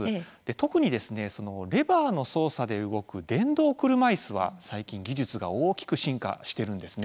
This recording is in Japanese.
特にレバーの操作で自動的に動く電動車いすは技術が大きく進化しています。